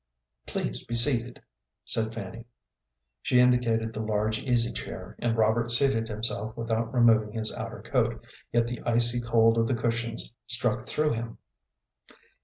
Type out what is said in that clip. "Please be seated," said Fanny. She indicated the large easy chair, and Robert seated himself without removing his outer coat, yet the icy cold of the cushions struck through him.